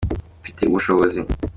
mbifitiye ubushobozi.